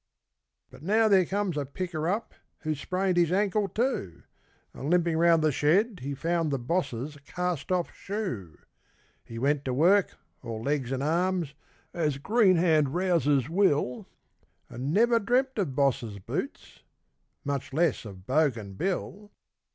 But now there comes a picker up who sprained his ankle, too, And limping round the shed he found the Boss's cast off shoe. He went to work, all legs and arms, as green hand rousers will, And never dreamed of Boss's boots much less of Bogan Bill.